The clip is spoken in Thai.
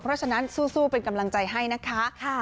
เพราะฉะนั้นสู้เป็นกำลังใจให้นะคะ